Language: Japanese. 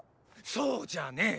そうじゃねェ。